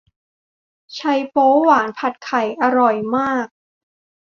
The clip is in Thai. ไชโป๊วหวานผัดไข่อร่อยมาก